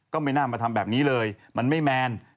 ก็ไม่น่ามาทำแบบนี้เลยมันไม่แมน